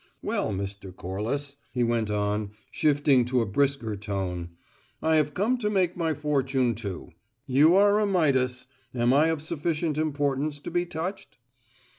"Well, Mr. Corliss," he went on, shifting to a brisker tone, "I have come to make my fortune, too. You are Midas. Am I of sufficient importance to be touched?"